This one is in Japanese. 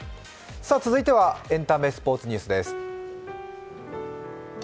続いてはエンタメ＆スポーツニュースです。